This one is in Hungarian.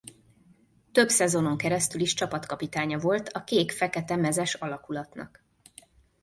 Több szezonon keresztül is csapatkapitánya volt a kék-fekete mezes alakulatnak.